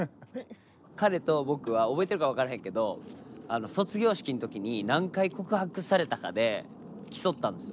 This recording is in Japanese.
彼と僕は覚えてるか分からへんけど卒業式の時に何回告白されたかで競ったんですよ。